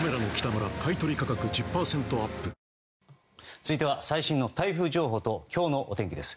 続いては最新の台風情報と今日のお天気です。